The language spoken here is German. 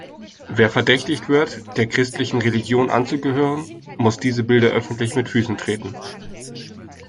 Wer verdächtigt wird, der christlichen Religion anzugehören, muss diese Bilder öffentlich mit Füßen treten.